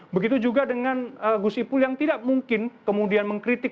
begitu juga dengan gus ipul yang tidak mungkin kemudian mengkritik